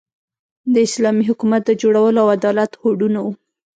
د اسلامي حکومت د جوړولو او عدالت هوډونه وو.